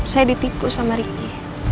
saya ditipu sama ricky